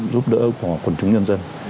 giúp đỡ của quần chúng nhân dân